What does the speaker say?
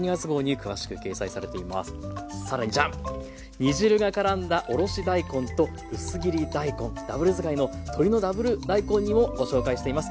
煮汁が絡んだおろし大根と薄切り大根ダブル使いの「鶏のダブル大根煮」もご紹介しています。